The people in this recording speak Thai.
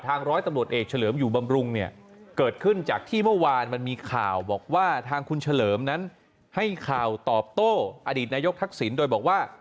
ร้อยตำรวจเอกเฉลิมอยู่บำรุงเนี่ยเกิดขึ้นจากที่เมื่อวานมันมีข่าวบอกว่าทางคุณเฉลิมนั้นให้ข่าวตอบโต้อดีตนายกทักษิณโดยบอกว่า